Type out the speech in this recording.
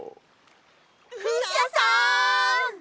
クシャさん！